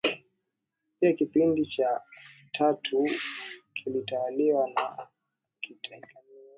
Pia kipindi cha tatu kilitwaliwa na katiak mia ka ya